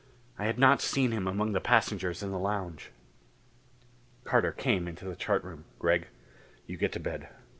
I had not seen him among the passengers in the lounge. Carter came into the chart room. "Gregg, you get to bed.